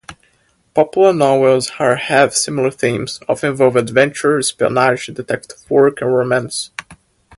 Popular novels are have similar themes, often involving adventure, espionage, detective work, and romance.